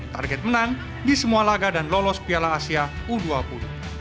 target menang di semua laga dan lolos piala asia u dua puluh